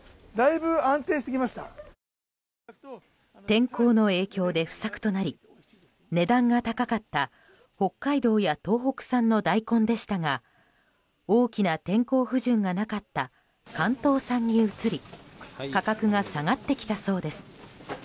天候の影響で不作となり値段が高かった北海道や東北産の大根でしたが大きな天候不順がなかった関東産に移り価格が下がってきたそうです。